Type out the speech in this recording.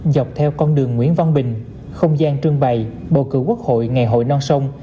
dọc theo con đường nguyễn văn bình không gian trương bày bầu cử quốc hội ngày hội non sông